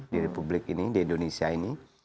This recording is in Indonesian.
di republik ini di indonesia ini